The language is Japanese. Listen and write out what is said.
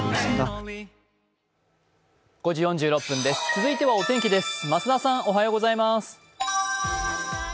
続いてはお天気です。